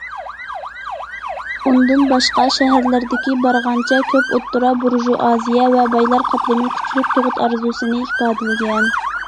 ئۇندىن باشقا، شەھەرلەردىكى بارغانچە كۆپ ئوتتۇرا بۇرژۇئازىيە ۋە بايلار قاتلىمى كۈچلۈك تۇغۇت ئارزۇسىنى ئىپادىلىگەن.